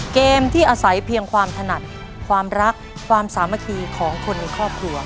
เกมที่อาศัยเพียงความถนัดความรักความสามัคคีของคนในครอบครัว